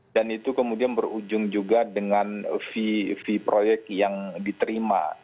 dan itu kemudian berujung juga dengan fee proyek yang diterima